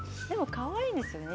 かわいいですよね。